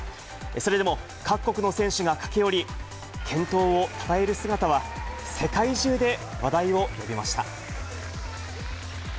それでも各国の選手が駆け寄り、健闘をたたえる姿は、世界中で話題を呼びました。